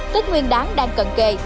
tức nguyên đáng đang cận kề